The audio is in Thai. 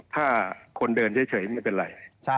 ถ้าคนเดินเฉยไม่เป็นไร